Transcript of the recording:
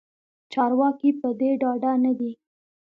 چارواکې پدې ډاډه ندي